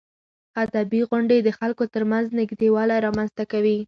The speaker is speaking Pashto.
ادبي غونډې د خلکو ترمنځ نږدېوالی رامنځته کوي.